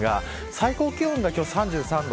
最高気温が３３度。